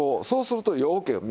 そうするとようけ